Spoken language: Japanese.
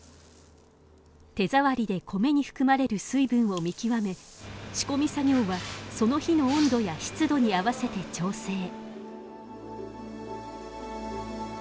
手触りで米に含まれる水分を見極め仕込み作業はその日の温度や湿度に合わせて調整。